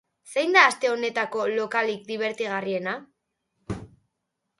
Zein da aste honetako lokalik dibertigarriena?